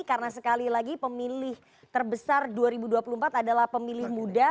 karena sekali lagi pemilih terbesar dua ribu dua puluh empat adalah pemilih muda